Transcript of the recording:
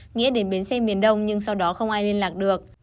nghĩa đến bến xe miền đông nhưng sau đó không ai liên lạc được